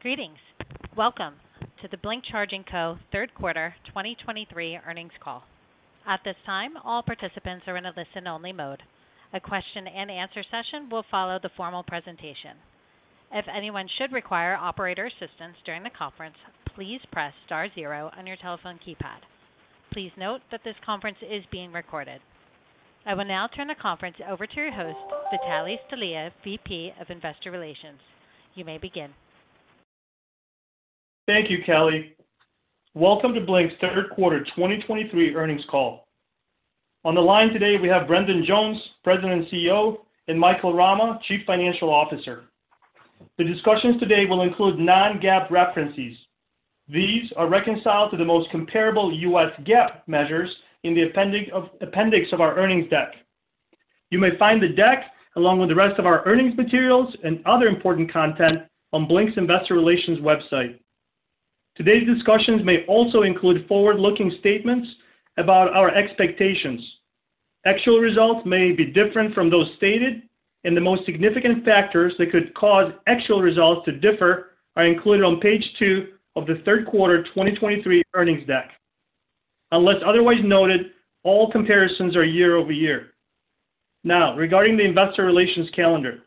Greetings! Welcome to the Blink Charging Co. third quarter 2023 earnings call. At this time, all participants are in a listen-only mode. A question and answer session will follow the formal presentation. If anyone should require operator assistance during the conference, please press star zero on your telephone keypad. Please note that this conference is being recorded. I will now turn the conference over to your host, Vitalie Stelea, VP of Investor Relations. You may begin. Thank you, Kelly. Welcome to Blink's third quarter 2023 earnings call. On the line today, we have Brendan Jones, President and CEO, and Michael Rama, Chief Financial Officer. The discussions today will include non-GAAP references. These are reconciled to the most comparable U.S. GAAP measures in the appendix of our earnings deck. You may find the deck, along with the rest of our earnings materials and other important content, on Blink's investor relations website. Today's discussions may also include forward-looking statements about our expectations. Actual results may be different from those stated, and the most significant factors that could cause actual results to differ are included on page 2 of the third quarter 2023 earnings deck. Unless otherwise noted, all comparisons are year-over-year. Now, regarding the investor relations calendar,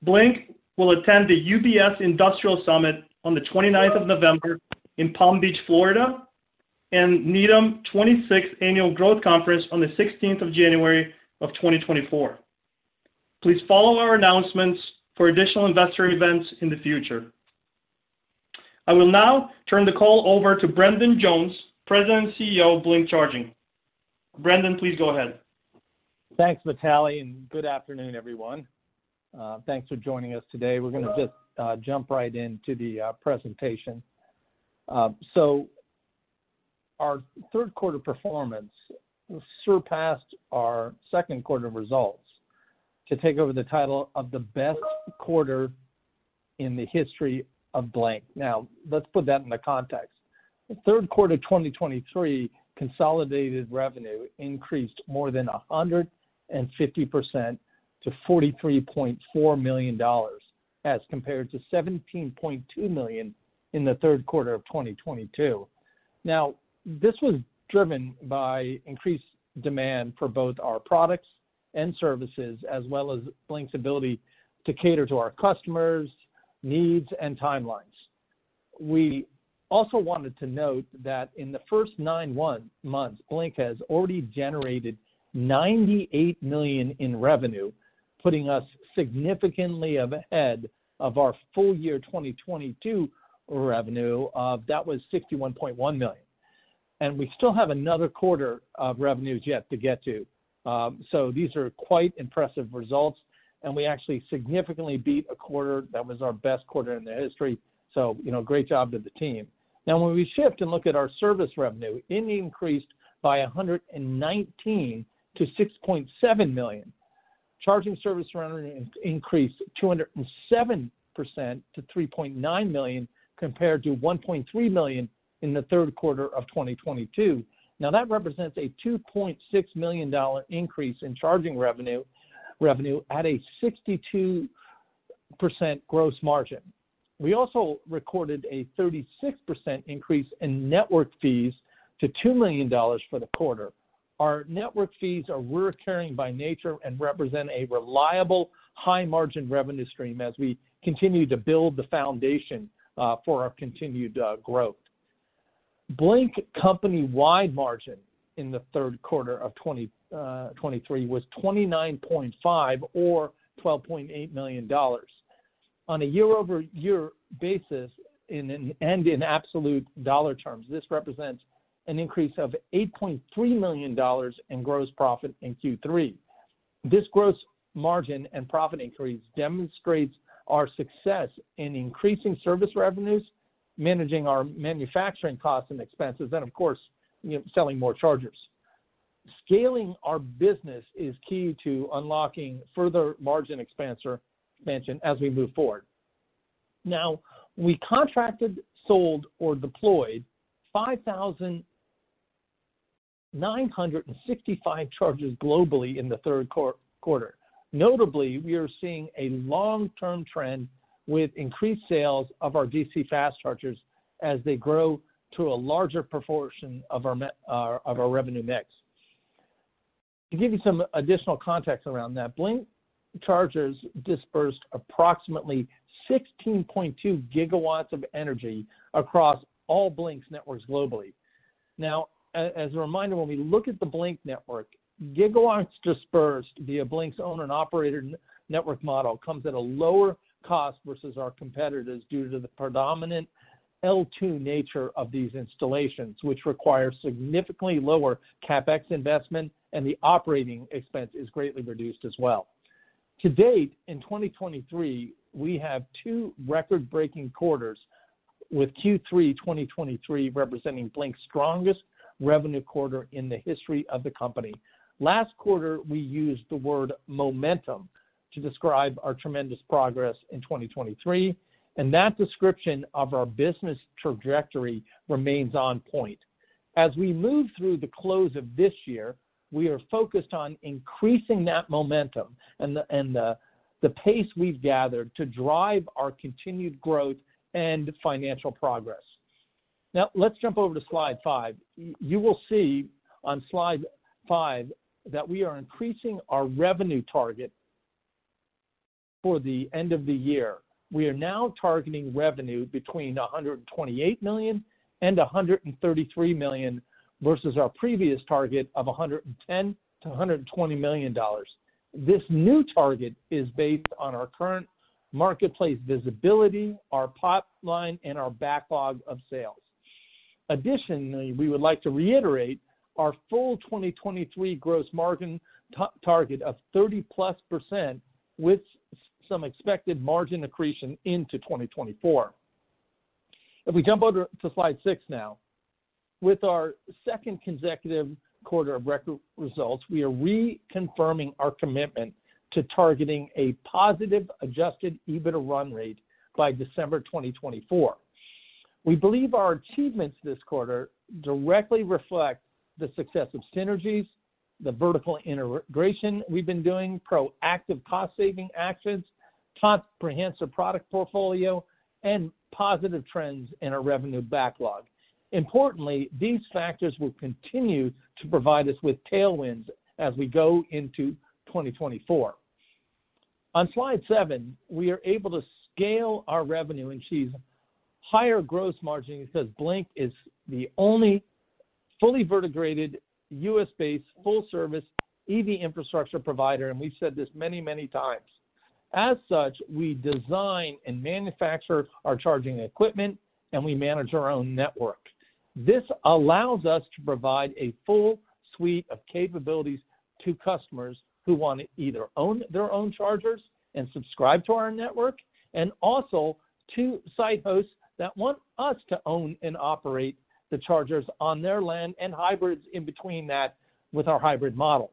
Blink will attend the UBS Industrial Summit on the 29th of November in Palm Beach, Florida, and Needham 26th Annual Growth Conference on the 16th of January of 2024. Please follow our announcements for additional investor events in the future. I will now turn the call over to Brendan Jones, President and CEO of Blink Charging. Brendan, please go ahead. Thanks, Vitalie, and good afternoon, everyone. Thanks for joining us today. We're going to just jump right into the presentation. So our third quarter performance surpassed our second quarter results to take over the title of the best quarter in the history of Blink. Now, let's put that into context. The third quarter, 2023, consolidated revenue increased more than 150% to $43.4 million, as compared to $17.2 million in the third quarter of 2022. Now, this was driven by increased demand for both our products and services, as well as Blink's ability to cater to our customers' needs and timelines. We also wanted to note that in the first nine months, Blink has already generated $98 million in revenue, putting us significantly ahead of our full year 2022 revenue. That was $61.1 million, and we still have another quarter of revenues yet to get to. So these are quite impressive results, and we actually significantly beat a quarter that was our best quarter in the history. So, you know, great job to the team. Now, when we shift and look at our service revenue, it increased by 119 to $6.7 million. Charging service revenue increased 207% to $3.9 million, compared to $1.3 million in the third quarter of 2022. Now, that represents a $2.6 million increase in charging revenue at a 62% gross margin. We also recorded a 36% increase in network fees to $2 million for the quarter. Our network fees are recurring by nature and represent a reliable, high-margin revenue stream as we continue to build the foundation for our continued growth. Blink company-wide margin in the third quarter of 2023 was 29.5% or $12.8 million. On a year-over-year basis and in absolute dollar terms, this represents an increase of $8.3 million in gross profit in Q3. This gross margin and profit increase demonstrates our success in increasing service revenues, managing our manufacturing costs and expenses, and of course, you know, selling more chargers. Scaling our business is key to unlocking further margin expansion as we move forward. Now, we contracted, sold or deployed 5,965 chargers globally in the third quarter. Notably, we are seeing a long-term trend with increased sales of our DC Fast Chargers as they grow to a larger proportion of our revenue mix. To give you some additional context around that, Blink chargers dispersed approximately 16.2 gigawatts of energy across all Blink's networks globally. Now, as a reminder, when we look at the Blink Network, gigawatts dispersed via Blink's owner and operator network model comes at a lower cost versus our competitors due to the predominant L2 nature of these installations, which require significantly lower CapEx investment, and the operating expense is greatly reduced as well. To date, in 2023, we have two record-breaking quarters, with Q3 2023 representing Blink's strongest revenue quarter in the history of the company. Last quarter, we used the word momentum to describe our tremendous progress in 2023, and that description of our business trajectory remains on point. As we move through the close of this year, we are focused on increasing that momentum and the pace we've gathered to drive our continued growth and financial progress. Now, let's jump over to slide 5. You will see on slide 5 that we are increasing our revenue target for the end of the year. We are now targeting revenue between $128 million and $133 million, versus our previous target of $110 million-$120 million. This new target is based on our current marketplace visibility, our pipeline, and our backlog of sales. Additionally, we would like to reiterate our full 2023 gross margin target of 30%+, with some expected margin accretion into 2024. If we jump over to slide 6 now. With our second consecutive quarter of record results, we are reconfirming our commitment to targeting a positive adjusted EBITDA run rate by December 2024. We believe our achievements this quarter directly reflect the success of synergies, the vertical integration we've been doing, proactive cost-saving actions, comprehensive product portfolio, and positive trends in our revenue backlog. Importantly, these factors will continue to provide us with tailwinds as we go into 2024. On slide 7, we are able to scale our revenue and achieve higher gross margins, because Blink is the only fully integrated, U.S.-based, full-service EV infrastructure provider, and we've said this many, many times. As such, we design and manufacture our charging equipment, and we manage our own network. This allows us to provide a full suite of capabilities to customers who wanna either own their own chargers and subscribe to our network, and also to site hosts that want us to own and operate the chargers on their land, and hybrids in between that with our hybrid model.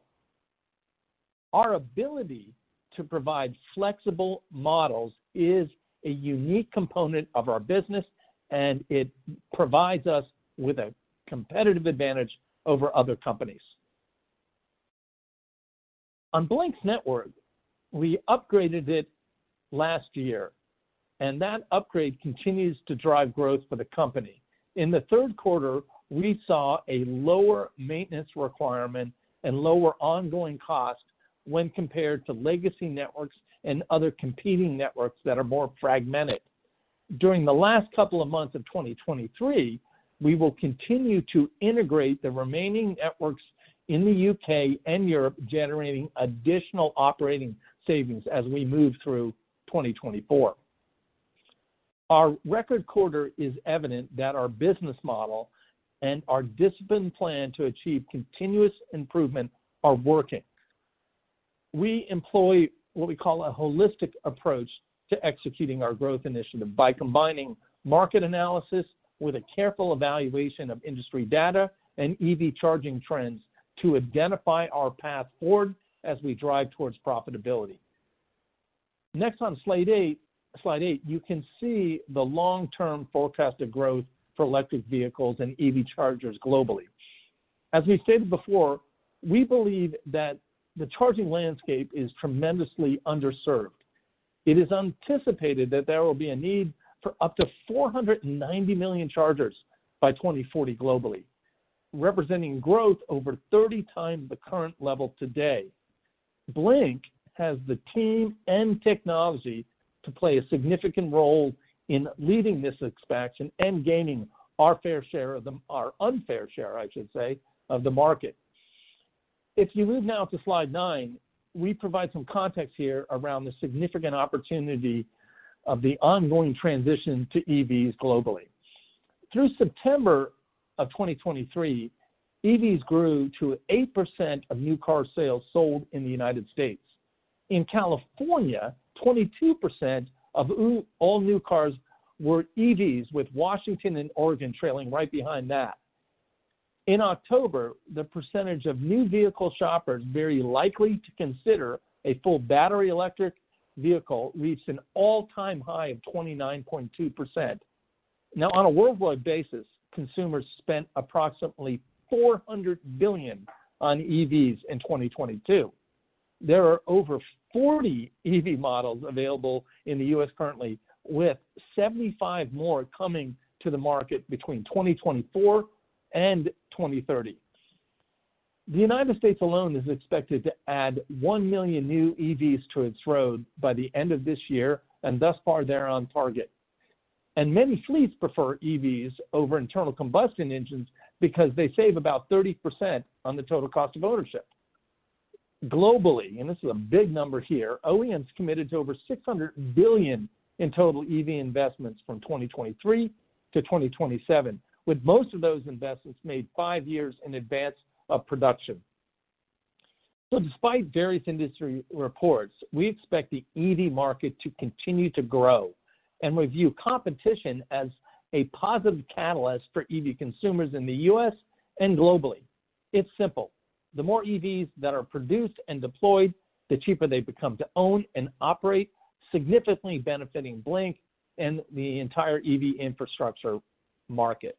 Our ability to provide flexible models is a unique component of our business, and it provides us with a competitive advantage over other companies. On Blink's network, we upgraded it last year, and that upgrade continues to drive growth for the company. In the third quarter, we saw a lower maintenance requirement and lower ongoing cost when compared to legacy networks and other competing networks that are more fragmented. During the last couple of months of 2023, we will continue to integrate the remaining networks in the U.K. and Europe, generating additional operating savings as we move through 2024. Our record quarter is evident that our business model and our disciplined plan to achieve continuous improvement are working. We employ what we call a holistic approach to executing our growth initiative by combining market analysis with a careful evaluation of industry data and EV charging trends, to identify our path forward as we drive towards profitability. Next, on slide 8, slide 8, you can see the long-term forecasted growth for electric vehicles and EV chargers globally. As we stated before, we believe that the charging landscape is tremendously underserved. It is anticipated that there will be a need for up to 490 million chargers by 2040 globally, representing growth over 30x the current level today. Blink has the team and technology to play a significant role in leading this expansion and gaining our fair share of the... Our unfair share, I should say, of the market. If you move now to slide 9, we provide some context here around the significant opportunity of the ongoing transition to EVs globally. Through September of 2023, EVs grew to 8% of new car sales sold in the United States. In California, 22% of all new cars were EVs, with Washington and Oregon trailing right behind that. In October, the percentage of new vehicle shoppers very likely to consider a full battery electric vehicle, reached an all-time high of 29.2%. Now, on a worldwide basis, consumers spent approximately $400 billion on EVs in 2022. There are over 40 EV models available in the U.S. currently, with 75 more coming to the market between 2024 and 2030. The United States alone is expected to add 1 million new EVs to its road by the end of this year, and thus far, they're on target. Many fleets prefer EVs over internal combustion engines because they save about 30% on the total cost of ownership. Globally, and this is a big number here, OEMs committed to over $600 billion in total EV investments from 2023 to 2027, with most of those investments made 5 years in advance of production. So despite various industry reports, we expect the EV market to continue to grow, and we view competition as a positive catalyst for EV consumers in the U.S. and globally. It's simple: the more EVs that are produced and deployed, the cheaper they become to own and operate, significantly benefiting Blink and the entire EV infrastructure market.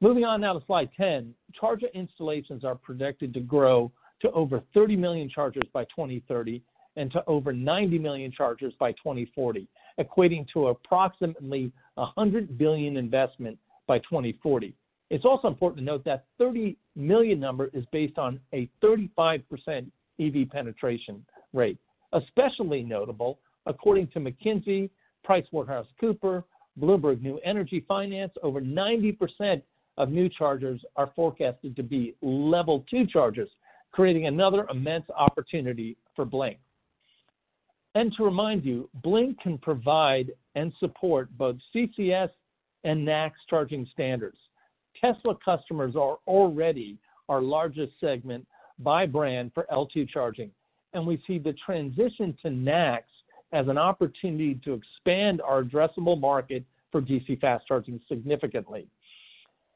Moving on now to slide 10. Charger installations are predicted to grow to over 30 million chargers by 2030, and to over 90 million chargers by 2040, equating to approximately $100 billion investment by 2040. It's also important to note that 30 million number is based on a 35% EV penetration rate. Especially notable, according to McKinsey, PricewaterhouseCoopers, Bloomberg New Energy Finance, over 90% of new chargers are forecasted to be Level 2 chargers, creating another immense opportunity for Blink. And to remind you, Blink can provide and support both CCS and NACS charging standards. Tesla customers are already our largest segment by brand for L2 charging, and we see the transition to NACS as an opportunity to expand our addressable market for DC fast charging significantly.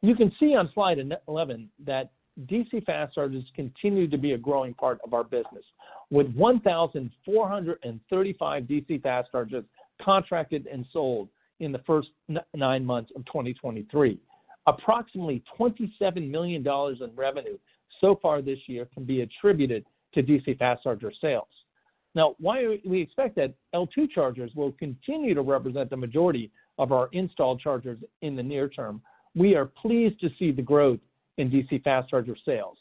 You can see on slide eleven, that DC Fast Chargers continue to be a growing part of our business, with 1,435 DC Fast Chargers contracted and sold in the first nine months of 2023. Approximately $27 million in revenue so far this year can be attributed to DC Fast Charger sales. Now, while we expect that L2 chargers will continue to represent the majority of our installed chargers in the near term, we are pleased to see the growth in DC Fast Charger sales.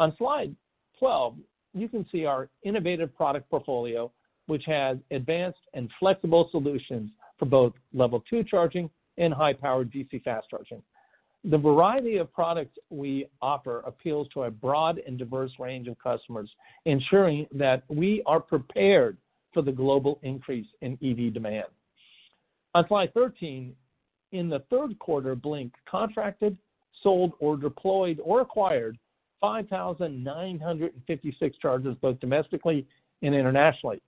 On slide 12, you can see our innovative product portfolio, which has advanced and flexible solutions for both Level 2 charging and high-powered DC fast charging. The variety of products we offer appeals to a broad and diverse range of customers, ensuring that we are prepared for the global increase in EV demand. On slide 13, in the third quarter, Blink contracted, sold, or deployed, or acquired 5,956 chargers, both domestically and internationally,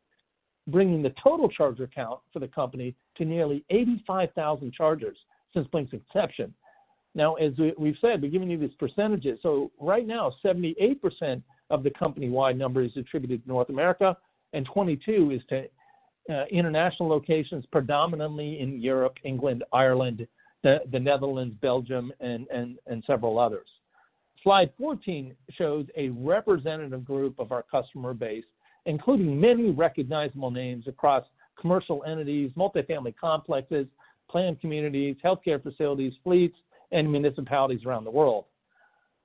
bringing the total charger count for the company to nearly 85,000 chargers since Blink's inception. Now, as we, we've said, we're giving you these percentages. So right now, 78% of the company-wide number is attributed to North America, and 22% is to international locations, predominantly in Europe, England, Ireland, the Netherlands, Belgium, and several others. Slide 14 shows a representative group of our customer base, including many recognizable names across commercial entities, multifamily complexes, planned communities, healthcare facilities, fleets, and municipalities around the world.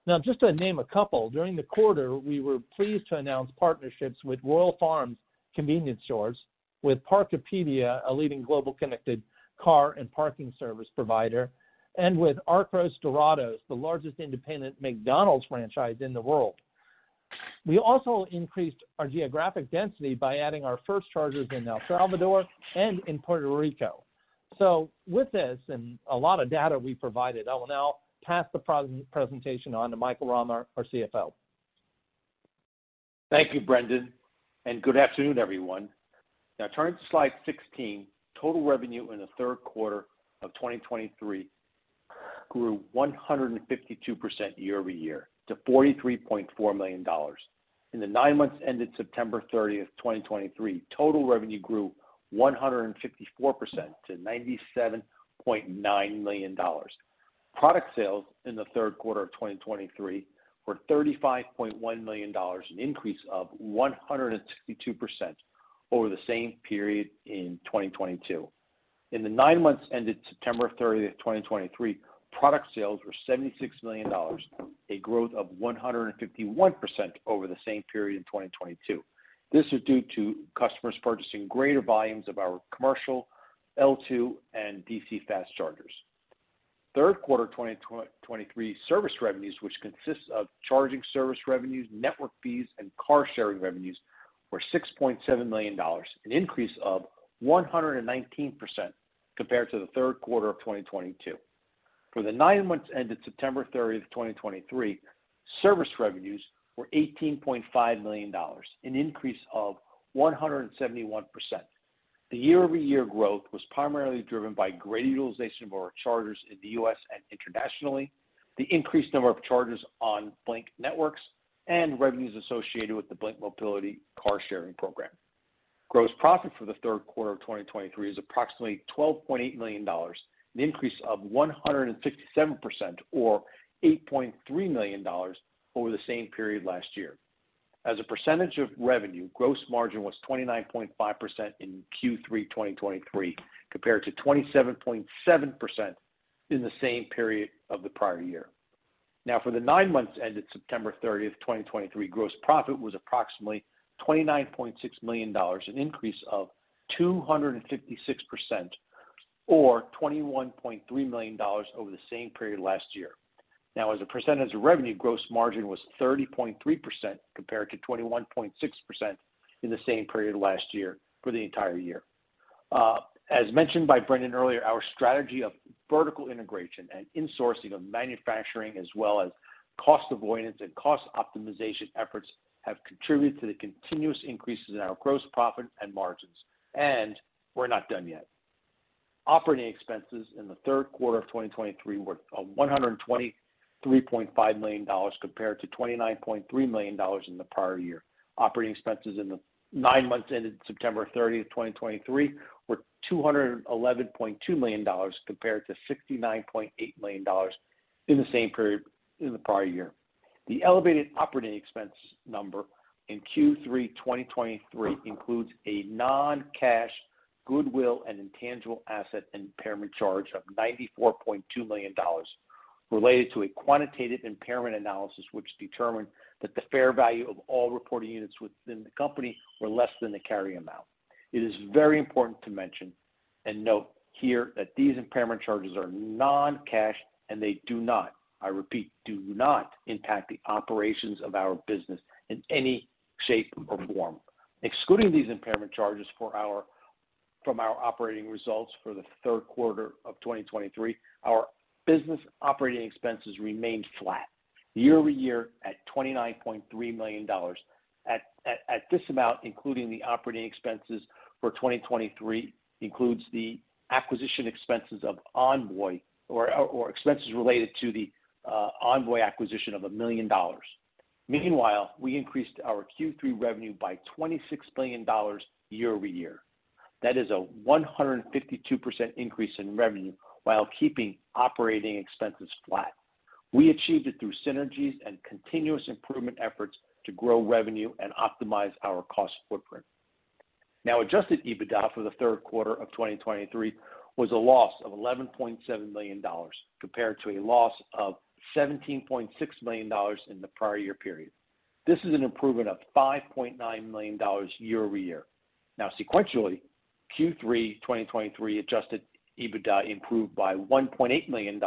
Now, just to name a couple, during the quarter, we were pleased to announce partnerships with Royal Farms convenience stores, with Parkopedia, a leading global connected car and parking service provider, and with Arcos Dorados, the largest independent McDonald's franchise in the world. We also increased our geographic density by adding our first chargers in El Salvador and in Puerto Rico. So with this and a lot of data we provided, I will now pass the presentation on to Michael Rama, our CFO. Thank you, Brendan, and good afternoon, everyone. Now turning to slide 16. Total revenue in the third quarter of 2023 grew 152% year-over-year to $43.4 million. In the nine months ended September thirtieth, 2023, total revenue grew 154% to $97.9 million. Product sales in the third quarter of 2023 were $35.1 million, an increase of 162% over the same period in 2022. In the nine months ended September 30, 2023, product sales were $76 million, a growth of 151% over the same period in 2022. This is due to customers purchasing greater volumes of our commercial L2 and DC Fast Chargers. Third quarter 2023 service revenues, which consists of charging service revenues, network fees, and car sharing revenues, were $6.7 million, an increase of 119% compared to the third quarter of 2022. For the nine months ended September 30, 2023, service revenues were $18.5 million, an increase of 171%. The year-over-year growth was primarily driven by great utilization of our chargers in the U.S. and internationally, the increased number of chargers on Blink Networks, and revenues associated with the Blink Mobility car sharing program. Gross profit for the third quarter of 2023 is approximately $12.8 million, an increase of 167% or $8.3 million over the same period last year. As a percentage of revenue, gross margin was 29.5% in Q3 2023, compared to 27.7% in the same period of the prior year. Now, for the nine months ended September 30, 2023, gross profit was approximately $29.6 million, an increase of 256% or $21.3 million over the same period last year. Now, as a percentage of revenue, gross margin was 30.3%, compared to 21.6% in the same period last year for the entire year. As mentioned by Brendan earlier, our strategy of vertical integration and insourcing of manufacturing, as well as cost avoidance and cost optimization efforts, have contributed to the continuous increases in our gross profit and margins, and we're not done yet. Operating expenses in the third quarter of 2023 were $123.5 million compared to $29.3 million in the prior year. Operating expenses in the nine months ended September 30, 2023, were $211.2 million, compared to $69.8 million in the same period in the prior year. The elevated operating expense number in Q3 2023 includes a non-cash goodwill and intangible asset impairment charge of $94.2 million, related to a quantitative impairment analysis, which determined that the fair value of all reporting units within the company were less than the carry amount. It is very important to mention and note here, that these impairment charges are non-cash, and they do not, I repeat, do not impact the operations of our business in any shape or form. Excluding these impairment charges from our operating results for the third quarter of 2023, our business operating expenses remained flat year-over-year at $29.3 million. At this amount, including the operating expenses for 2023, includes the acquisition expenses of Envoy or expenses related to the Envoy acquisition of $1 million. Meanwhile, we increased our Q3 revenue by $26 billion year-over-year. That is a 152% increase in revenue while keeping operating expenses flat. We achieved it through synergies and continuous improvement efforts to grow revenue and optimize our cost footprint. Now, adjusted EBITDA for the third quarter of 2023 was a loss of $11.7 million, compared to a loss of $17.6 million in the prior year period. This is an improvement of $5.9 million year-over-year. Now, sequentially, Q3 2023 adjusted EBITDA improved by $1.8 million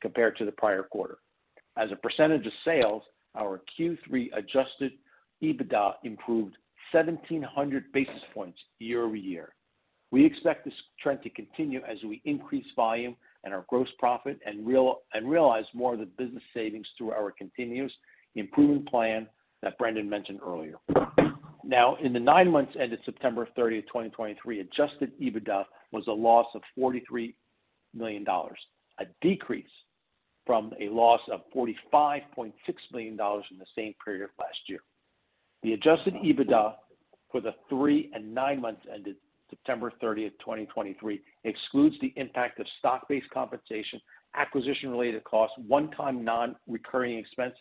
compared to the prior quarter. As a percentage of sales, our Q3 adjusted EBITDA improved 1,700 basis points year-over-year. We expect this trend to continue as we increase volume and our gross profit and realize more of the business savings through our continuous improvement plan that Brendan mentioned earlier. Now, in the nine months ended September 30, 2023, adjusted EBITDA was a loss of $43 million, a decrease from a loss of $45.6 million in the same period last year. The adjusted EBITDA for the 3 and 9 months ended September 30, 2023, excludes the impact of stock-based compensation, acquisition-related costs, one-time non-recurring expense,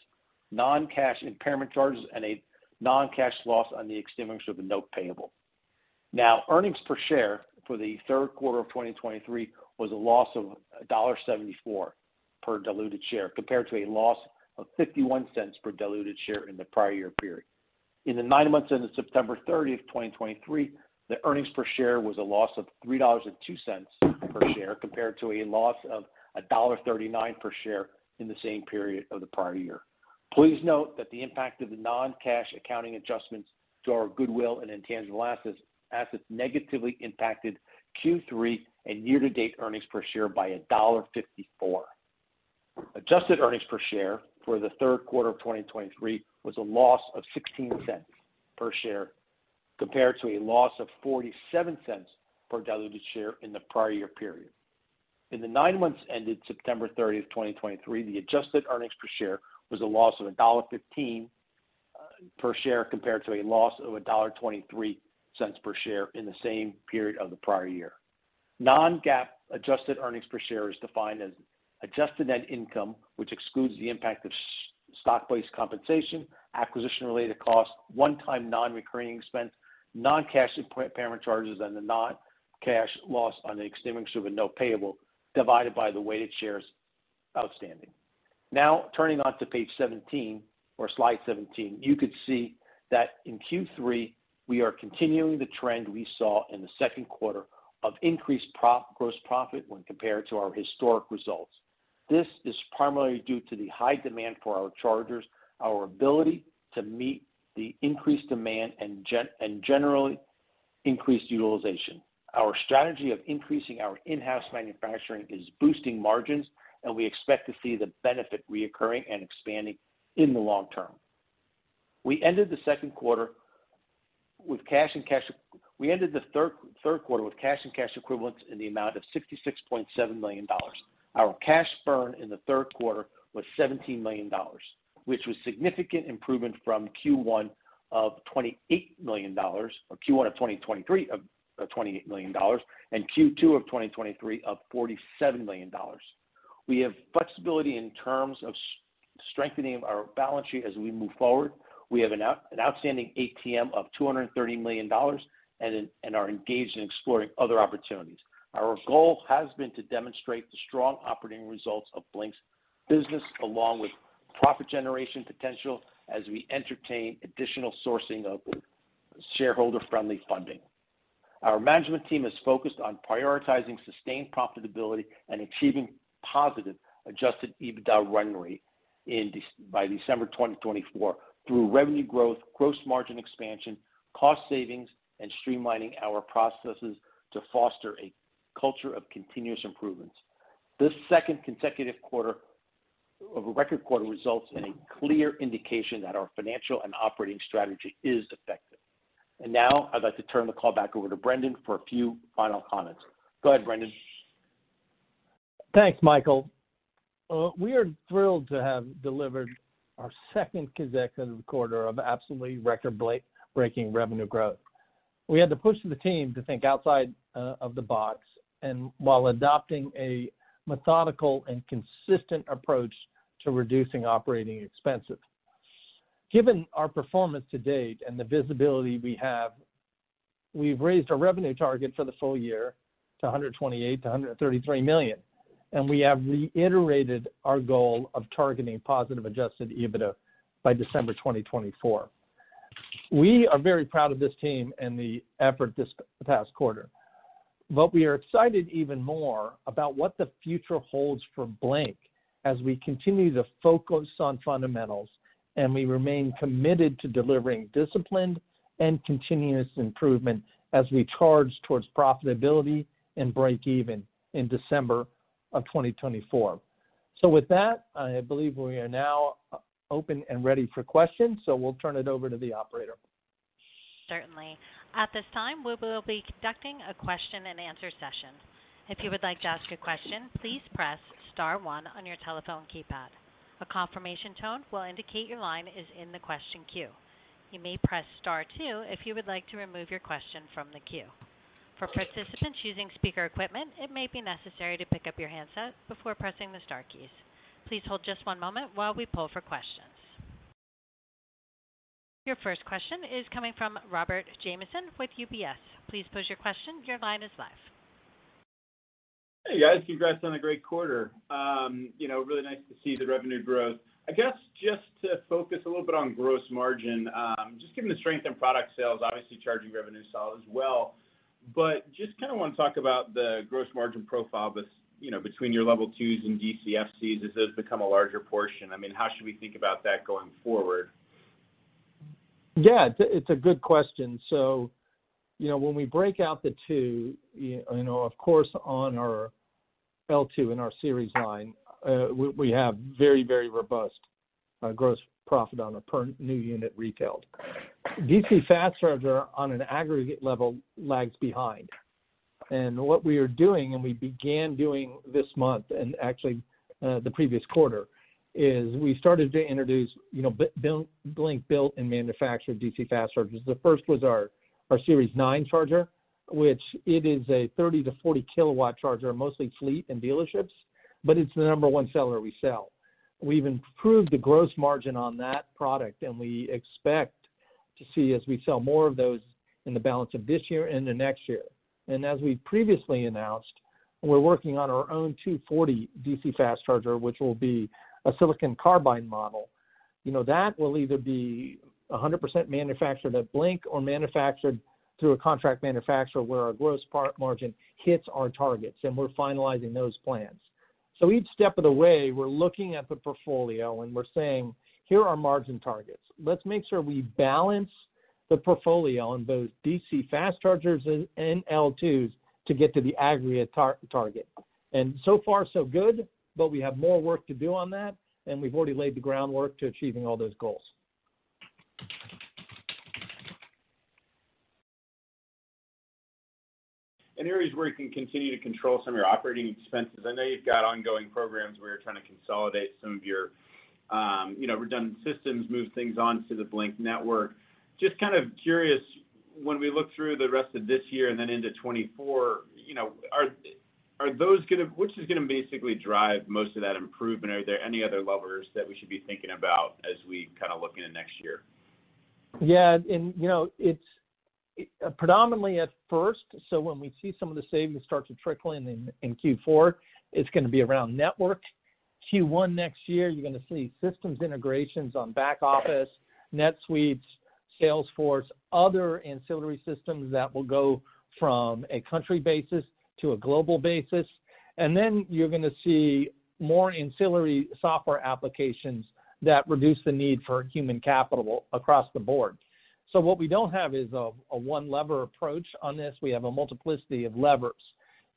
non-cash impairment charges, and a non-cash loss on the extinguishment of a note payable. Now, earnings per share for the third quarter of 2023 was a loss of $1.74 per diluted share, compared to a loss of $0.51 per diluted share in the prior year period. In the 9 months ended September 30, 2023, the earnings per share was a loss of $3.02 per share, compared to a loss of $1.39 per share in the same period of the prior year. Please note that the impact of the non-cash accounting adjustments to our goodwill and intangible assets negatively impacted Q3 and year-to-date earnings per share by $1.54. Adjusted earnings per share for the third quarter of 2023 was a loss of $0.16 per share, compared to a loss of $0.47 per diluted share in the prior year period. In the nine months ended September 30, 2023, the adjusted earnings per share was a loss of $1.15 per share, compared to a loss of $1.23 per share in the same period of the prior year. Non-GAAP adjusted earnings per share is defined as adjusted net income, which excludes the impact of stock-based compensation, acquisition-related costs, one-time non-recurring expense, non-cash impairment charges, and the non-cash loss on the extinguishment of a note payable divided by the weighted shares outstanding. Now, turning to page 17 or slide 17, you could see that in Q3, we are continuing the trend we saw in the second quarter of increased gross profit when compared to our historic results. This is primarily due to the high demand for our chargers, our ability to meet the increased demand and generally increased utilization. Our strategy of increasing our in-house manufacturing is boosting margins, and we expect to see the benefit recurring and expanding in the long term. We ended the third quarter with cash and cash equivalents in the amount of $66.7 million. Our cash burn in the third quarter was $17 million, which was significant improvement from Q1 of $28 million, or Q1 of 2023 of $28 million, and Q2 of 2023 of $47 million. We have flexibility in terms of strengthening our balance sheet as we move forward. We have an outstanding ATM of $230 million and are engaged in exploring other opportunities. Our goal has been to demonstrate the strong operating results of Blink's business, along with profit generation potential as we entertain additional sourcing of shareholder-friendly funding. Our management team is focused on prioritizing sustained profitability and achieving positive adjusted EBITDA run rate by December 2024, through revenue growth, gross margin expansion, cost savings, and streamlining our processes to foster a culture of continuous improvements. This second consecutive quarter of-... of a record quarter results and a clear indication that our financial and operating strategy is effective. Now, I'd like to turn the call back over to Brendan for a few final comments. Go ahead, Brendan. Thanks, Michael. We are thrilled to have delivered our second consecutive quarter of absolutely record-breaking revenue growth. We had to push the team to think outside of the box, and while adopting a methodical and consistent approach to reducing operating expenses. Given our performance to date and the visibility we have, we've raised our revenue target for the full year to $128 million-$133 million, and we have reiterated our goal of targeting positive adjusted EBITDA by December 2024. We are very proud of this team and the effort this past quarter, but we are excited even more about what the future holds for Blink as we continue to focus on fundamentals, and we remain committed to delivering disciplined and continuous improvement as we charge towards profitability and breakeven in December of 2024. So with that, I believe we are now open and ready for questions, so we'll turn it over to the operator. Certainly. At this time, we will be conducting a question-and-answer session. If you would like to ask a question, please press star one on your telephone keypad. A confirmation tone will indicate your line is in the question queue. You may press star two if you would like to remove your question from the queue. For participants using speaker equipment, it may be necessary to pick up your handset before pressing the star keys. Please hold just one moment while we pull for questions. Your first question is coming from Robert Jamieson with UBS. Please pose your question. Your line is live. Hey, guys, congrats on a great quarter. You know, really nice to see the revenue growth. I guess, just to focus a little bit on gross margin, just given the strength in product sales, obviously, charging revenue solid as well. But just kind of want to talk about the gross margin profile with, you know, between your Level 2s and DCFCs, as those become a larger portion. I mean, how should we think about that going forward? Yeah, it's a, it's a good question. So, you know, when we break out the two, you know, of course, on our L2 and our Series 9, we, we have very, very robust gross profit on a per new unit retailed. DC Fast Charger, on an aggregate level, lags behind. And what we are doing, and we began doing this month and actually the previous quarter, is we started to introduce, you know, Blink built and manufactured DC Fast Chargers. The first was our Series 9 charger, which it is a 30-40-kilowatt charger, mostly fleet and dealerships, but it's the number one seller we sell. We've improved the gross margin on that product, and we expect to see as we sell more of those in the balance of this year and the next year. As we previously announced, we're working on our own 240 DC Fast Charger, which will be a Silicon Carbide model. You know, that will either be 100% manufactured at Blink or manufactured through a contract manufacturer, where our gross part margin hits our targets, and we're finalizing those plans. So each step of the way, we're looking at the portfolio, and we're saying, "Here are our margin targets. Let's make sure we balance the portfolio on both DC Fast Chargers and L2s to get to the aggregate target." And so far, so good, but we have more work to do on that, and we've already laid the groundwork to achieving all those goals. Areas where you can continue to control some of your operating expenses. I know you've got ongoing programs where you're trying to consolidate some of your, you know, redundant systems, move things on to the Blink Network. Just kind of curious, when we look through the rest of this year and then into 2024, you know, are those gonna, which is gonna basically drive most of that improvement? Are there any other levers that we should be thinking about as we kind of look into next year? Yeah, and you know, it's predominantly at first, so when we see some of the savings start to trickle in in Q4, it's gonna be around network. Q1 next year, you're gonna see systems integrations on back office, NetSuite, Salesforce, other ancillary systems that will go from a country basis to a global basis. And then you're gonna see more ancillary software applications that reduce the need for human capital across the board. So what we don't have is a one-lever approach on this. We have a multiplicity of levers.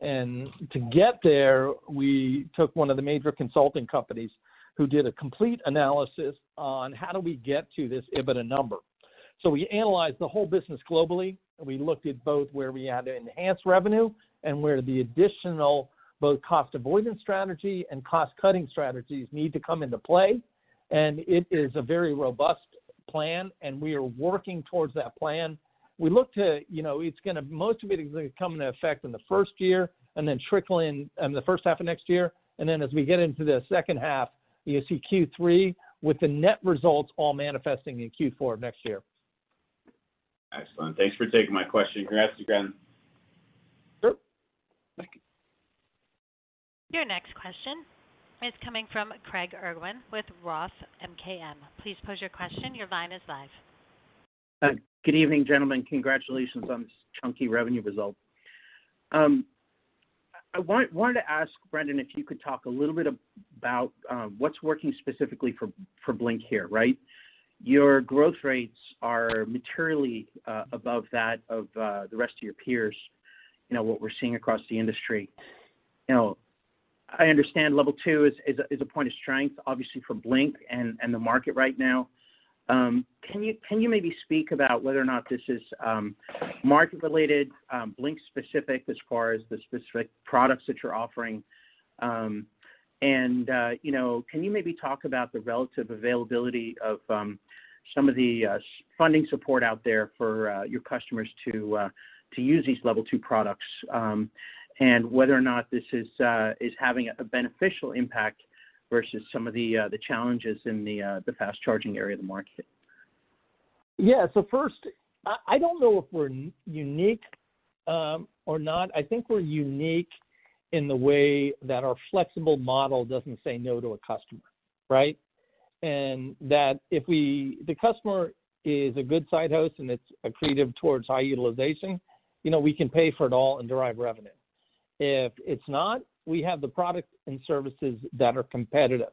And to get there, we took one of the major consulting companies, who did a complete analysis on how do we get to this EBITDA number. So we analyzed the whole business globally, and we looked at both where we had to enhance revenue and where the additional, both cost avoidance strategy and cost-cutting strategies need to come into play. And it is a very robust plan, and we are working towards that plan. We look to, you know, it's gonna, most of it is gonna come into effect in the first year and then trickle in, the first half of next year, and then as we get into the second half, you see Q3, with the net results all manifesting in Q4 of next year. Excellent. Thanks for taking my question. Congrats again. Sure. Thank you. Your next question is coming from Craig Irwin with Roth MKM. Please pose your question. Your line is live. Good evening, gentlemen. Congratulations on this chunky revenue result. I wanted to ask, Brendan, if you could talk a little bit about what's working specifically for Blink here, right? Your growth rates are materially above that of the rest of your peers, you know, what we're seeing across the industry. You know, I understand level two is a point of strength, obviously, for Blink and the market right now. Can you maybe speak about whether or not this is market-related, Blink-specific, as far as the specific products that you're offering? And, you know, can you maybe talk about the relative availability of some of the funding support out there for your customers to use these level two products, and whether or not this is having a beneficial impact versus some of the challenges in the fast charging area of the market? Yeah. So first, I don't know if we're unique or not. I think we're unique in the way that our flexible model doesn't say no to a customer, right? And that if the customer is a good site host, and it's accretive towards high utilization, you know, we can pay for it all and derive revenue. If it's not, we have the products and services that are competitive.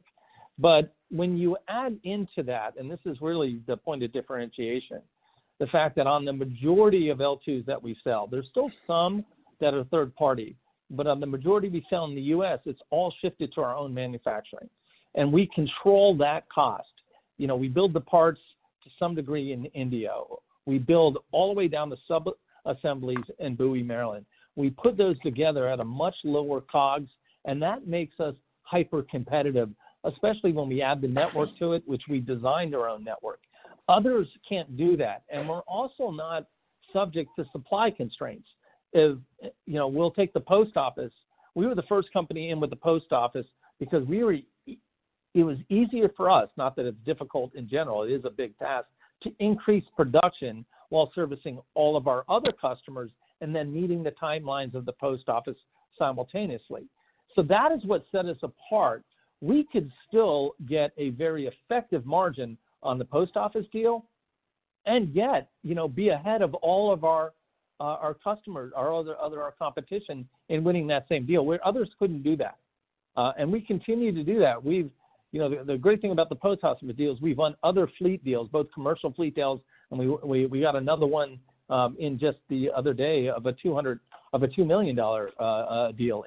But when you add into that, and this is really the point of differentiation, the fact that on the majority of L2s that we sell, there's still some that are third party, but on the majority we sell in the U.S., it's all shifted to our own manufacturing, and we control that cost. You know, we build the parts to some degree in India. We build all the way down the sub-assemblies in Bowie, Maryland. We put those together at a much lower COGS, and that makes us hyper-competitive, especially when we add the network to it, which we designed our own network. Others can't do that, and we're also not subject to supply constraints. If, you know, we'll take the post office. We were the first company in with the post office because it was easier for us, not that it's difficult in general, it is a big task, to increase production while servicing all of our other customers and then meeting the timelines of the post office simultaneously. So that is what set us apart. We could still get a very effective margin on the post office deal and yet, you know, be ahead of all of our customers, our other competition in winning that same deal, where others couldn't do that. And we continue to do that. You know, the great thing about the post office deals, we've won other fleet deals, both commercial fleet deals, and we got another one in just the other day of a $2 million deal.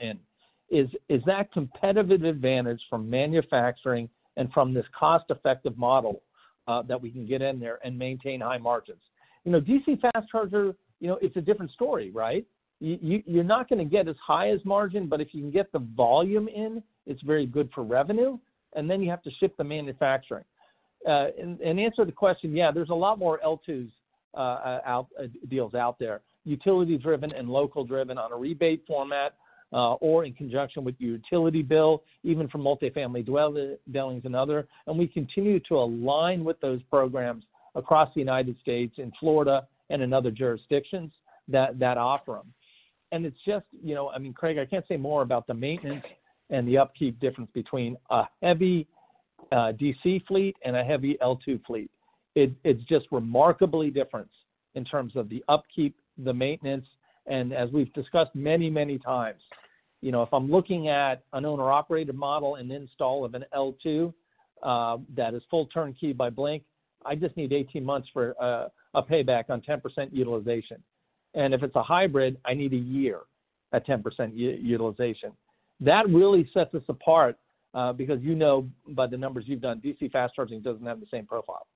Is that competitive advantage from manufacturing and from this cost-effective model that we can get in there and maintain high margins. You know, DC Fast Charger, you know, it's a different story, right? You're not gonna get as high as margin, but if you can get the volume in, it's very good for revenue, and then you have to ship the manufacturing. To answer the question, yeah, there's a lot more L2s, deals out there, utility-driven and local-driven on a rebate format, or in conjunction with utility bill, even for multifamily dwellings and other. And we continue to align with those programs across the United States, in Florida and in other jurisdictions that offer them. And it's just, you know, I mean, Craig, I can't say more about the maintenance and the upkeep difference between a heavy DC fleet and a heavy L2 fleet. It's just remarkably different in terms of the upkeep, the maintenance, and as we've discussed many, many times, you know, if I'm looking at an owner-operated model and install of an L2, that is full turnkey by Blink, I just need 18 months for a payback on 10% utilization. If it's a hybrid, I need a year at 10% utilization. That really sets us apart, because you know, by the numbers you've done, DC fast charging doesn't have the same profile.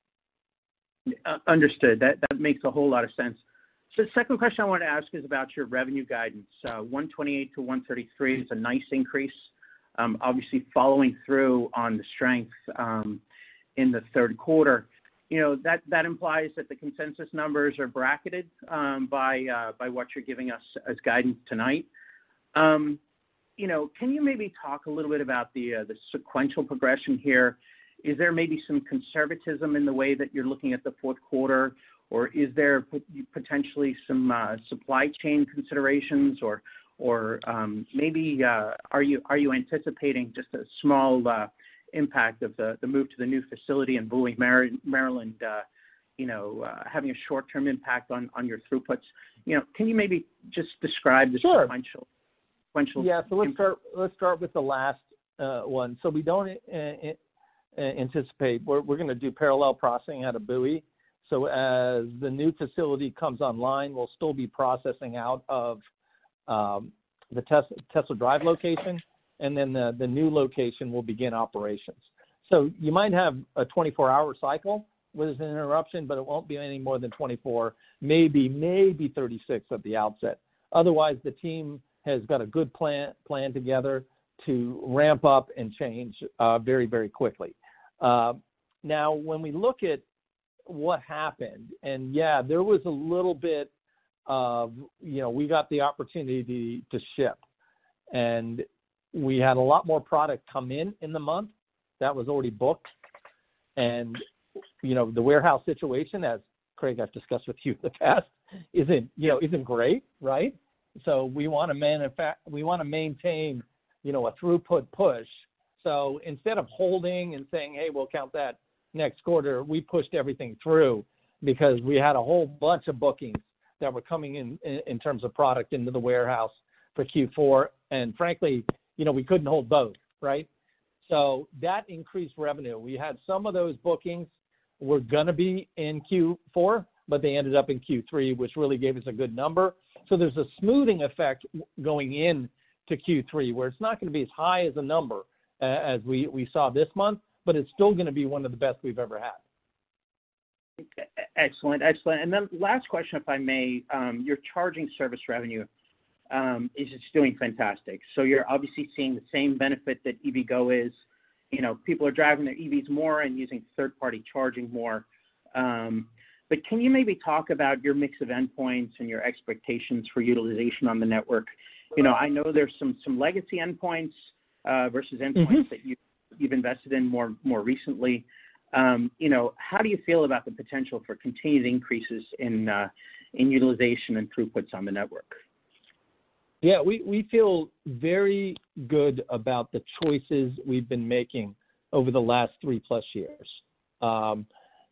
Understood. That makes a whole lot of sense. So the second question I wanted to ask is about your revenue guidance. $128 million-$133 million is a nice increase, obviously, following through on the strength in the third quarter. You know, that implies that the consensus numbers are bracketed by what you're giving us as guidance tonight. You know, can you maybe talk a little bit about the sequential progression here? Is there may be some conservatism in the way that you're looking at the fourth quarter, or is there potentially some supply chain considerations, or maybe are you anticipating just a small impact of the move to the new facility in Bowie, Maryland, you know, having a short-term impact on your throughputs? You know, can you maybe just describe the- Sure. sequential? Sequential. Yeah. So let's start with the last one. So we don't anticipate... We're gonna do parallel processing out of Bowie. So as the new facility comes online, we'll still be processing out of the Tesla Drive location, and then the new location will begin operations. So you might have a 24-hour cycle with an interruption, but it won't be any more than 24, maybe 36 at the outset. Otherwise, the team has got a good plan together to ramp up and change very, very quickly. Now, when we look at what happened, and yeah, there was a little bit of, you know, we got the opportunity to ship, and we had a lot more product come in in the month that was already booked. You know, the warehouse situation, as Craig, I've discussed with you in the past, isn't, you know, isn't great, right? So we wanna maintain, you know, a throughput push. So instead of holding and saying, "Hey, we'll count that next quarter," we pushed everything through because we had a whole bunch of bookings that were coming in terms of product into the warehouse for Q4. And frankly, you know, we couldn't hold both, right? So that increased revenue. We had some of those bookings were gonna be in Q4, but they ended up in Q3, which really gave us a good number. So there's a smoothing effect going in to Q3, where it's not gonna be as high as a number as we saw this month, but it's still gonna be one of the best we've ever had. Excellent. Excellent. And then last question, if I may. Your charging service revenue is just doing fantastic. So you're obviously seeing the same benefit that EVgo is. You know, people are driving their EVs more and using third-party charging more. But can you maybe talk about your mix of endpoints and your expectations for utilization on the network? You know, I know there's some legacy endpoints versus endpoints- Mm-hmm... that you've invested in more recently. You know, how do you feel about the potential for continued increases in utilization and throughputs on the network? Yeah, we feel very good about the choices we've been making over the last three-plus years.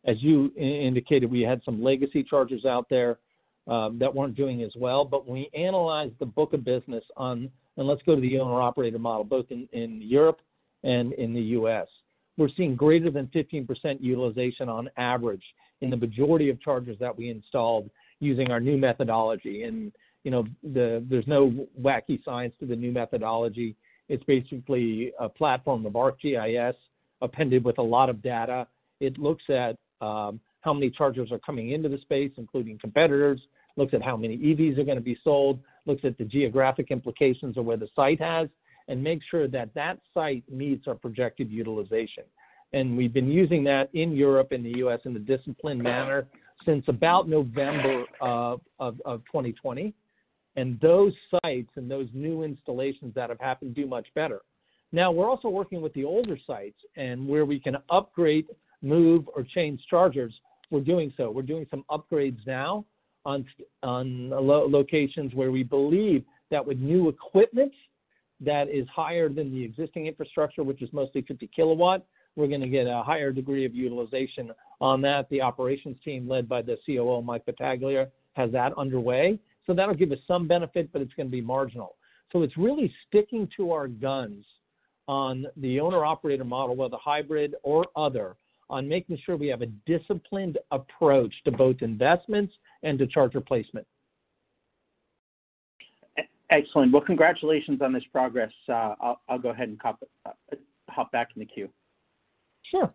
As you indicated, we had some legacy chargers out there that weren't doing as well. But when we analyzed the book of business on the owner-operator model, both in Europe and in the U.S. We're seeing greater than 15% utilization on average in the majority of chargers that we installed using our new methodology. And, you know, there's no wacky science to the new methodology. It's basically a platform of ArcGIS appended with a lot of data. It looks at how many chargers are coming into the space, including competitors, looks at how many EVs are gonna be sold, looks at the geographic implications of where the site has, and makes sure that that site meets our projected utilization. We've been using that in Europe and the U.S. in a disciplined manner since about November of 2020. Those sites and those new installations that have happened do much better. Now, we're also working with the older sites, and where we can upgrade, move, or change chargers, we're doing so. We're doing some upgrades now on locations where we believe that with new equipment that is higher than the existing infrastructure, which is mostly 50 kW, we're gonna get a higher degree of utilization on that. The operations team, led by the COO, Mike Battaglia, has that underway. So that'll give us some benefit, but it's gonna be marginal. So it's really sticking to our guns on the owner-operator model, whether hybrid or other, on making sure we have a disciplined approach to both investments and to charger placement. Excellent. Well, congratulations on this progress. I'll go ahead and hop back in the queue. Sure.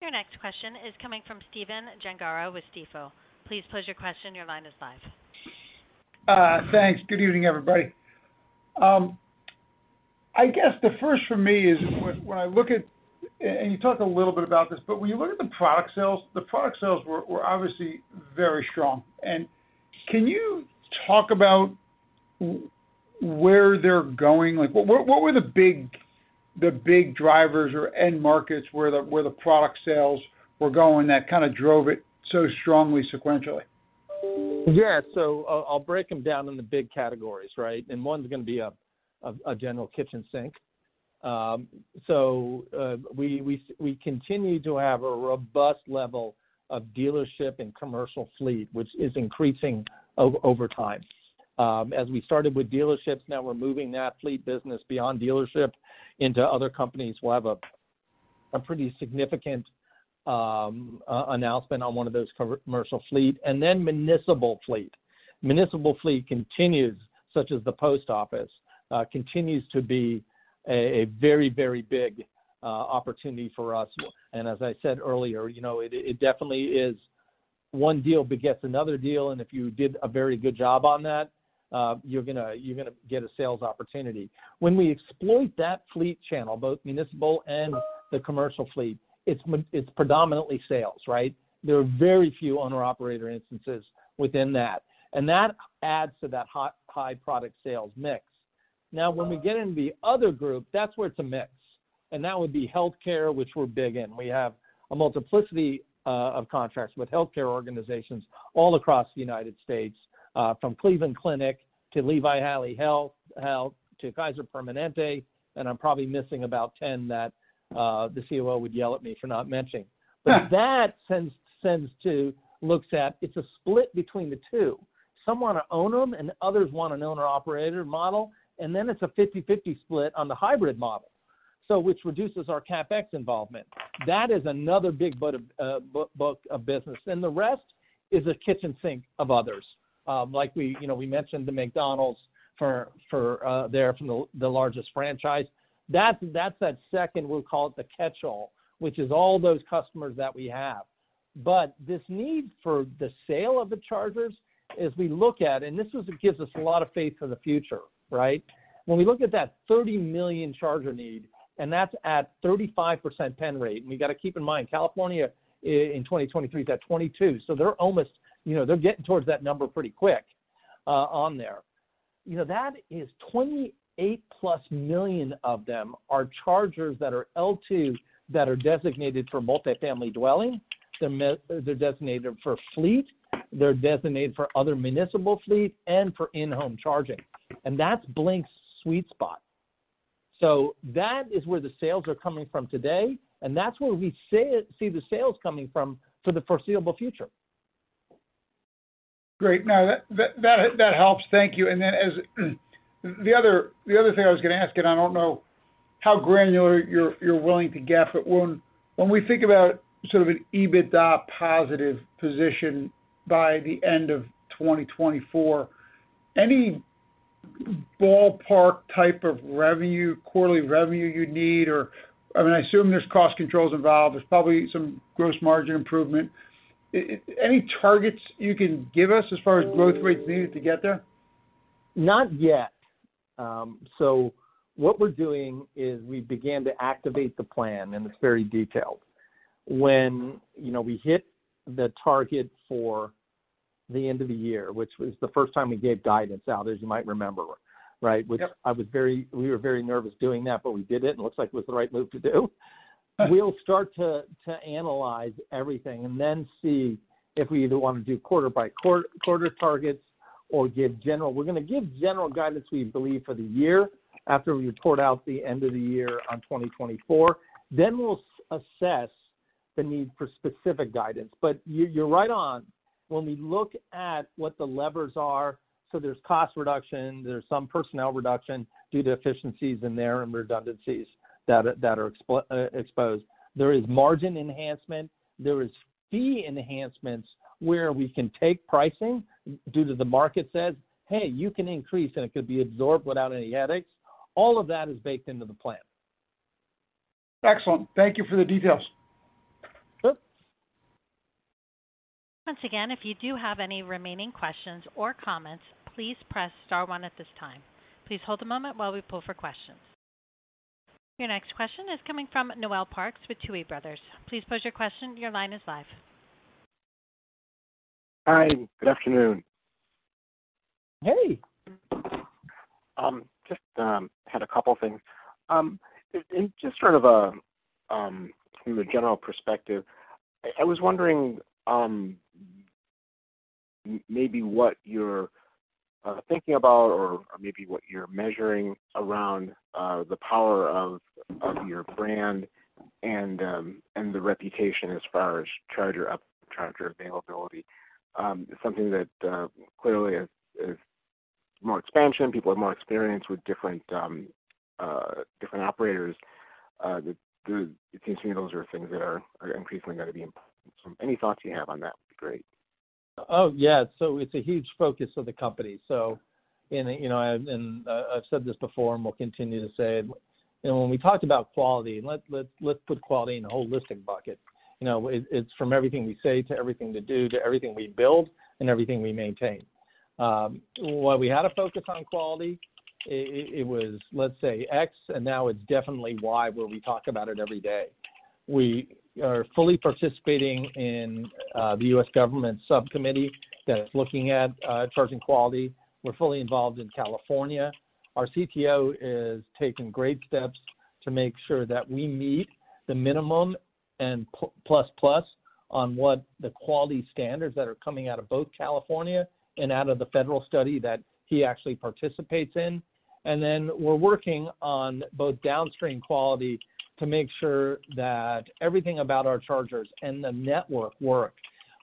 Your next question is coming from Stephen Gengaro with Stifel. Please pose your question. Your line is live. Thanks. Good evening, everybody. I guess the first for me is when, when I look at, and you talked a little bit about this, but when you look at the product sales, the product sales were, were obviously very strong. And can you talk about where they're going? Like, what, what, what were the big, the big drivers or end markets where the, where the product sales were going that kind of drove it so strongly sequentially? Yeah. So I'll break them down into big categories, right? And one's gonna be a general kitchen sink. So we continue to have a robust level of dealership and commercial fleet, which is increasing over time. As we started with dealerships, now we're moving that fleet business beyond dealership into other companies. We'll have a pretty significant announcement on one of those commercial fleet, and then municipal fleet. Municipal fleet continues, such as the Post Office, continues to be a very, very big opportunity for us. And as I said earlier, you know, it definitely is one deal begets another deal, and if you did a very good job on that, you're gonna get a sales opportunity. When we exploit that fleet channel, both municipal and the commercial fleet, it's predominantly sales, right? There are very few owner-operator instances within that, and that adds to that hot, high product sales mix. Now, when we get into the other group, that's where it's a mix, and that would be healthcare, which we're big in. We have a multiplicity of contracts with healthcare organizations all across the United States, from Cleveland Clinic to Lehigh Valley Health to Kaiser Permanente, and I'm probably missing about 10 that the COO would yell at me for not mentioning. But that tends to look at. It's a split between the two. Some want to own them, and others want an owner-operator model, and then it's a 50/50 split on the hybrid model, so which reduces our CapEx involvement. That is another big book of business, and the rest is a kitchen sink of others. Like we, you know, we mentioned the McDonald's for, they're from the, the largest franchise. That's, that's that second, we'll call it the catch-all, which is all those customers that we have. But this need for the sale of the chargers, as we look at, and this is what gives us a lot of faith in the future, right? When we look at that 30 million charger need, and that's at 35% pen rate, and we've got to keep in mind, California in 2023 is at 22, so they're almost, you know, they're getting towards that number pretty quick, on there. You know, that is 28+ million of them are chargers that are L2, that are designated for multifamily dwelling, they're designated for fleet, they're designated for other municipal fleet, and for in-home charging. That's Blink's sweet spot. That is where the sales are coming from today, and that's where we see the sales coming from for the foreseeable future. Great. No, that helps. Thank you. And then the other thing I was going to ask, and I don't know how granular you're willing to get, but when we think about sort of an EBITDA positive position by the end of 2024, any ballpark type of revenue, quarterly revenue you'd need, or, I mean, I assume there's cost controls involved. There's probably some gross margin improvement. Any targets you can give us as far as growth rates needed to get there? Not yet. So what we're doing is we began to activate the plan, and it's very detailed. When, you know, we hit the target for the end of the year, which was the first time we gave guidance out, as you might remember, right? Yep. We were very nervous doing that, but we did it, and it looks like it was the right move to do. Right. We'll start to analyze everything and then see if we either want to do quarter by quarter targets or give general... We're going to give general guidance, we believe, for the year after we report out the end of the year on 2024. Then we'll assess the need for specific guidance. But you, you're right on. When we look at what the levers are, so there's cost reduction, there's some personnel reduction due to efficiencies in there and redundancies that are exposed. There is margin enhancement. There is fee enhancements where we can take pricing due to the market says, "Hey, you can increase, and it could be absorbed without any headaches." All of that is baked into the plan. Excellent. Thank you for the details. Sure. Once again, if you do have any remaining questions or comments, please press star one at this time. Please hold a moment while we pull for questions. Your next question is coming from Noel Parks with Tuohy Brothers. Please pose your question. Your line is live. Hi, good afternoon. Hey! Just had a couple of things. And just sort of a from a general perspective, I was wondering, maybe what you're thinking about or maybe what you're measuring around the power of your brand and the reputation as far as charger uptime, charger availability. Something that clearly is more expansion, people have more experience with different different operators. You can see those are things that are increasingly going to be important. So any thoughts you have on that would be great. Oh, yeah. So it's a huge focus of the company. So, you know, I've said this before, and we'll continue to say, you know, when we talked about quality, let's put quality in a holistic bucket. You know, it's from everything we say to everything we do, to everything we build and everything we maintain. While we had a focus on quality, it was, let's say, X, and now it's definitely Y, where we talk about it every day. We are fully participating in the U.S. government subcommittee that is looking at charging quality. We're fully involved in California. Our CTO is taking great steps to make sure that we meet the minimum and plus plus on what the quality standards that are coming out of both California and out of the federal study that he actually participates in. Then we're working on both downstream quality to make sure that everything about our chargers and the network work.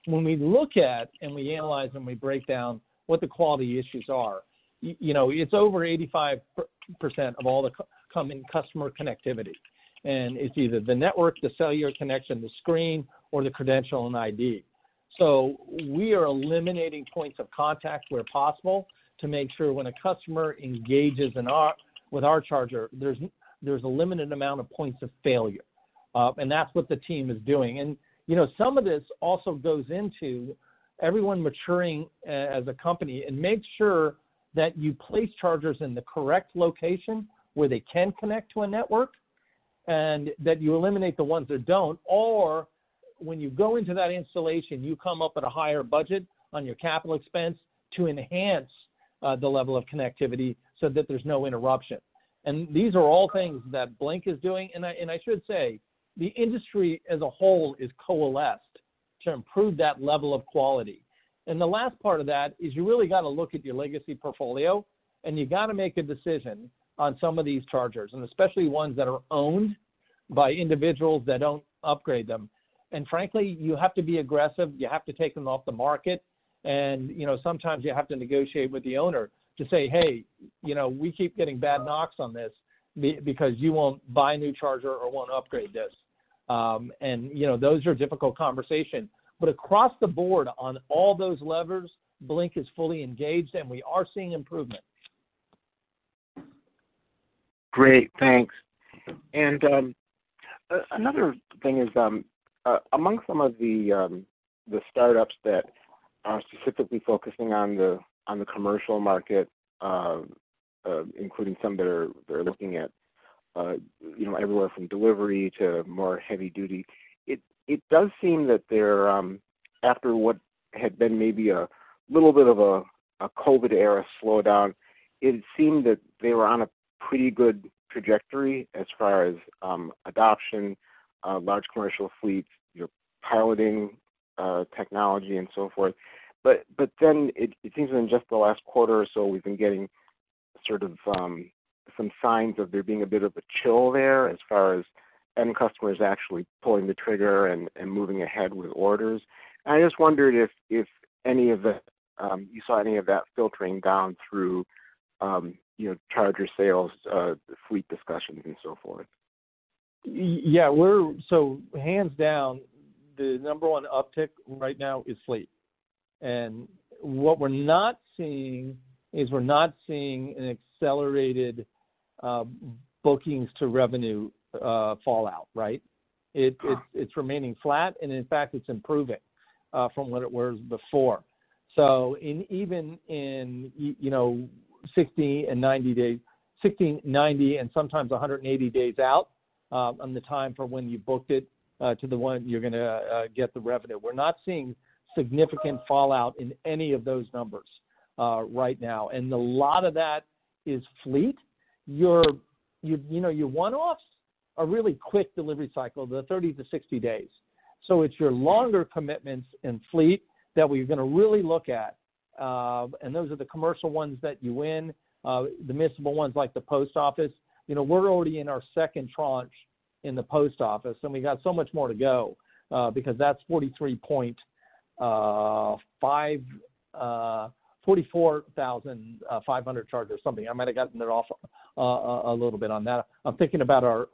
When we look at and we analyze and we break down what the quality issues are, you know, it's over 85% of all the coming customer connectivity, and it's either the network, the cellular connection, the screen, or the credential and ID. So we are eliminating points of contact where possible to make sure when a customer engages with our charger, there's a limited amount of points of failure. And that's what the team is doing. You know, some of this also goes into everyone maturing as a company and make sure that you place chargers in the correct location where they can connect to a network, and that you eliminate the ones that don't, or when you go into that installation, you come up at a higher budget on your capital expense to enhance the level of connectivity so that there's no interruption. And these are all things that Blink is doing. And I, and I should say, the industry as a whole is coalesced to improve that level of quality. And the last part of that is you really got to look at your legacy portfolio, and you got to make a decision on some of these chargers, and especially ones that are owned by individuals that don't upgrade them. And frankly, you have to be aggressive. You have to take them off the market. And, you know, sometimes you have to negotiate with the owner to say, "Hey, you know, we keep getting bad knocks on this because you won't buy a new charger or won't upgrade this." And, you know, those are difficult conversations. But across the board, on all those levers, Blink is fully engaged, and we are seeing improvement. Great, thanks. And, another thing is, among some of the startups that are specifically focusing on the commercial market, including some that are looking at, you know, everywhere from delivery to more heavy duty, it does seem that they're after what had been maybe a little bit of a COVID-era slowdown, it seemed that they were on a pretty good trajectory as far as adoption, large commercial fleets, you're piloting... technology and so forth. But, then it seems in just the last quarter or so, we've been getting sort of some signs of there being a bit of a chill there as far as end customers actually pulling the trigger and moving ahead with orders. I just wondered if any of the... You saw any of that filtering down through, you know, charger sales, fleet discussions, and so forth? Yeah, we're. So hands down, the number one uptick right now is fleet. And what we're not seeing is we're not seeing an accelerated, bookings to revenue, fallout, right? It, it, it's remaining flat, and in fact, it's improving, from what it was before. So even in you know, 60 and 90 days-- 60, 90, and sometimes 180 days out, on the time from when you booked it, to the one you're gonna, get the revenue. We're not seeing significant fallout in any of those numbers, right now. And a lot of that is fleet. You, you, you know, your one-offs are really quick delivery cycle, the 30-60 days. So it's your longer commitments in fleet that we're gonna really look at. And those are the commercial ones that you win, the sizeable ones, like the Post Office. You know, we're already in our second tranche in the Post Office, and we got so much more to go, because that's 43,500, 44,500 chargers, something. I might have gotten it off a little bit on that. I'm thinking about our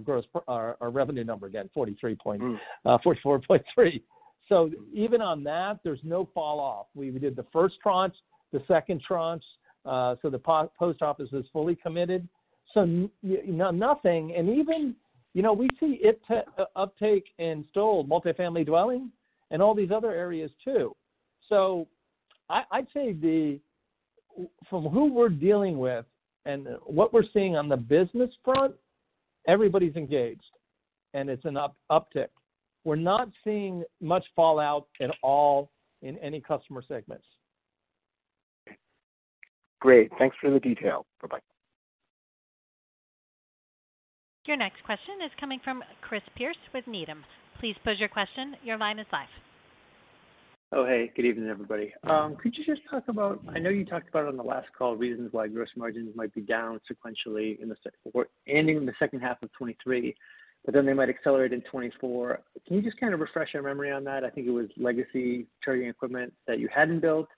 gross, our revenue number again, $43-$44.3. So even on that, there's no fall off. We did the first tranche, the second tranche, so the Post Office is fully committed, so you know, nothing. And even, you know, we see uptake in still multifamily dwelling and all these other areas too. So I'd say the... From who we're dealing with and what we're seeing on the business front, everybody's engaged, and it's an uptick. We're not seeing much fallout at all in any customer segments. Great. Thanks for the detail. Bye-bye. Your next question is coming from Chris Pierce with Needham. Please pose your question. Your line is live. Oh, hey, good evening, everybody. Could you just talk about... I know you talked about on the last call, reasons why gross margins might be down sequentially in the second quarter, ending in the second half of 2023, but then they might accelerate in 2024. Can you just kind of refresh our memory on that? I think it was legacy charging equipment that you hadn't built.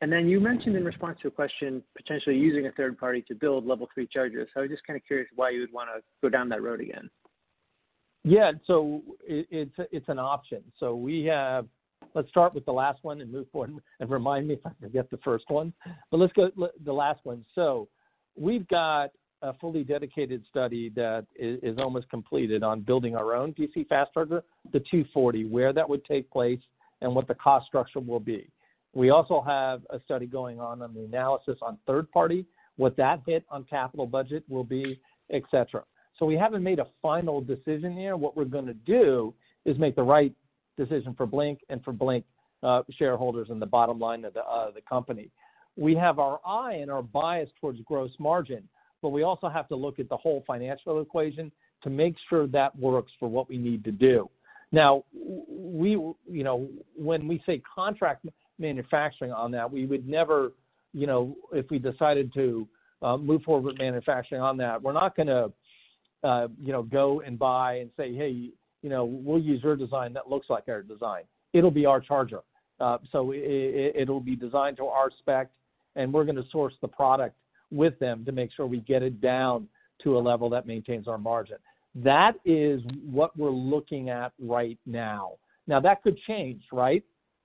And then you mentioned in response to a question, potentially using a third party to build Level 3 chargers. So I was just kind of curious why you would wanna go down that road again. Yeah. So it's an option. So we have. Let's start with the last one and move forward, and remind me if I forget the first one. But let's go, the last one. So we've got a fully dedicated study that is almost completed on building our own DC Fast Charger, the 240, where that would take place and what the cost structure will be. We also have a study going on the analysis on third party, what that hit on capital budget will be, et cetera. So we haven't made a final decision here. What we're gonna do is make the right decision for Blink and for Blink shareholders in the bottom line of the company. We have our eye and our bias towards gross margin, but we also have to look at the whole financial equation to make sure that works for what we need to do. Now, we, you know, when we say contract manufacturing on that, we would never, you know, if we decided to, move forward with manufacturing on that, we're not gonna, you know, go and buy and say, "Hey, you know, we'll use your design that looks like our design." It'll be our charger. So it'll be designed to our spec, and we're gonna source the product with them to make sure we get it down to a level that maintains our margin. That is what we're looking at right now. Now, that could change, right?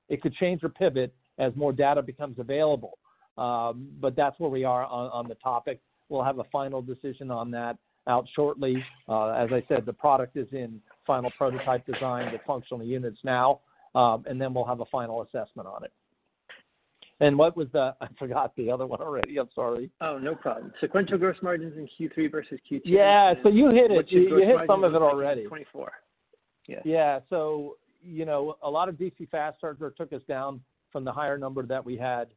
It could change or pivot as more data becomes available, but that's where we are on the topic. We'll have a final decision on that out shortly. As I said, the product is in final prototype design, the functional units now, and then we'll have a final assessment on it. And what was the... I forgot the other one already. I'm sorry. Oh, no problem. Sequential gross margins in Q3 versus Q2- Yeah, so you hit it- Which is- You hit some of it already. 24. Yeah. Yeah. So, you know, a lot of DC Fast Charger took us down from the higher number that we had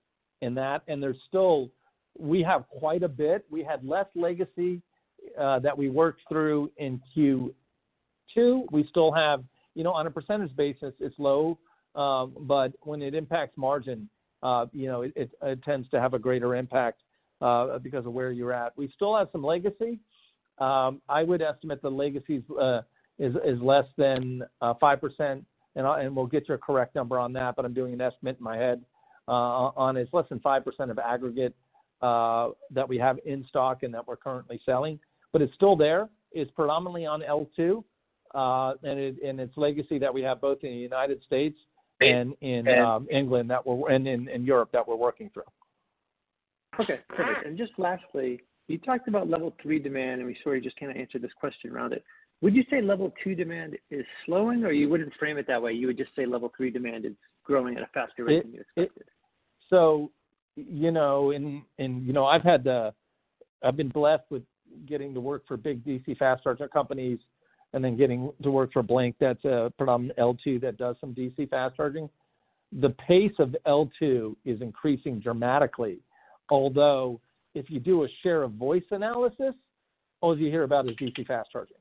in that, and there's still, we have quite a bit. We had less legacy that we worked through in Q2. We still have. You know, on a percentage basis, it's low, but when it impacts margin, you know, it tends to have a greater impact because of where you're at. We still have some legacy. I would estimate the legacy is less than 5%, and we'll get you a correct number on that, but I'm doing an estimate in my head, it's less than 5% of aggregate that we have in stock and that we're currently selling, but it's still there. It's predominantly on L2, and it's legacy that we have both in the United States and in England, and in Europe, that we're working through. Okay, perfect. And just lastly, you talked about Level 3 demand, and we saw you just kind of answered this question around it. Would you say Level 2 demand is slowing, or you wouldn't frame it that way, you would just say Level 3 demand is growing at a faster rate than you expected? So, you know, I've been blessed with getting to work for big DC Fast Charger companies and then getting to work for Blink. That's a predominant L2 that does some DC fast charging. The pace of L2 is increasing dramatically, although if you do a share of voice analysis, all you hear about is DC fast charging.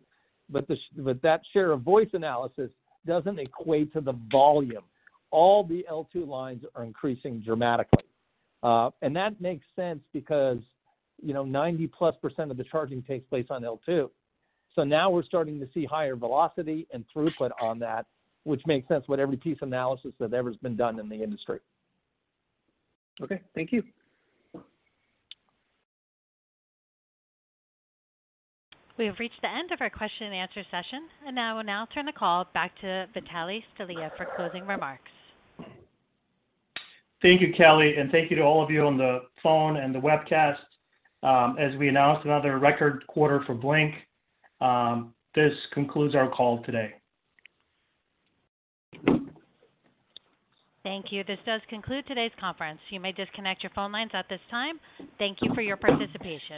But that share of voice analysis doesn't equate to the volume. All the L2 lines are increasing dramatically. And that makes sense because, you know, 90%+ of the charging takes place on L2. So now we're starting to see higher velocity and throughput on that, which makes sense with every piece of analysis that's ever been done in the industry. Okay. Thank you. We have reached the end of our question and answer session, and I will now turn the call back to Vitalie Stelea for closing remarks. Thank you, Kelly, and thank you to all of you on the phone and the webcast. As we announced another record quarter for Blink, this concludes our call today. Thank you. This does conclude today's conference. You may disconnect your phone lines at this time. Thank you for your participation.